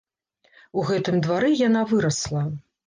У гэтым двары яна вырасла.